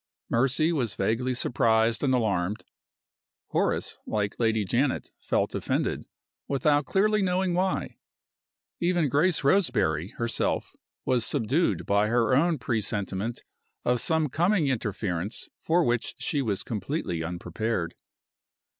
Mercy was vaguely surprised and alarmed. Horace, like Lady Janet, felt offended, without clearly knowing why. Even Grace Roseberry herself was subdued by her own presentiment of some coming interference for which she was completely unprepared.